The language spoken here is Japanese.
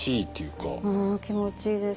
うん気持ちいいです。